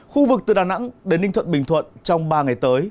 khu vực từ đà nẵng đến ninh thuận bình thuận trong ba ngày tới